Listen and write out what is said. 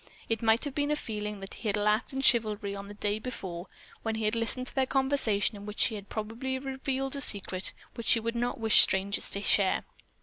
It might have been a feeling that he had lacked in chivalry on the day before, when he had listened to the conversation in which she had probably revealed a secret which she would not wish strangers to share.